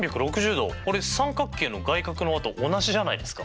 これ三角形の外角の和と同じじゃないですか！